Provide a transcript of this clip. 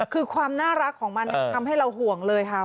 คือความน่ารักของมันทำให้เราห่วงเลยค่ะ